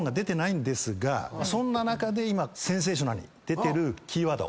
そんな中で今センセーショナルに出てるキーワード。